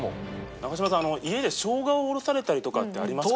長嶋さん家で生姜をおろされたりとかってありますか？